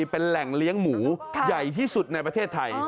เป็นแหล่งเลี้ยงหมูใหญ่ที่สุดในประเทศไทย